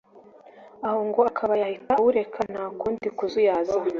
aho ngo akaba yahita awureka ntakundi kuzuyaza